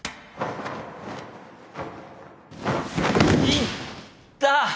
いった！